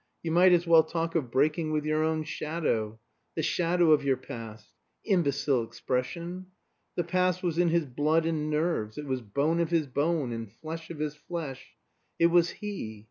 You might as well talk of breaking with your own shadow. The shadow of your past. Imbecile expression! The past was in his blood and nerves; it was bone of his bone and flesh of his flesh. It was he.